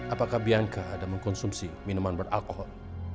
apakah bianka ada mengkonsumsi minuman beralkohol